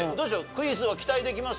クイズは期待できます？